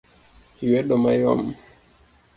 lwedo mayom